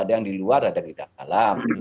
ada yang di luar ada yang di dalam